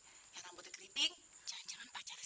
yang rambutnya keriting jangan jangan pacarnya